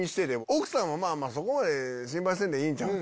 奥さんは「そこまで心配せんでいいんちゃう？」。